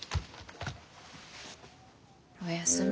おやすみ。